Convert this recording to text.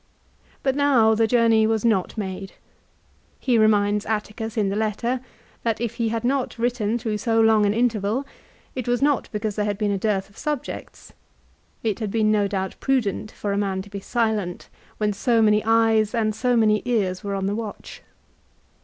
But now the journey was not made. He reminds Atticus in the letter that if he had not written through so long an interval it was not because there had been a dearth of subjects. It had been no doubt prudent for a man to be silent when so many eyes and so many ears were on the watch.